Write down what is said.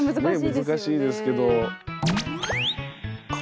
難しいですけど。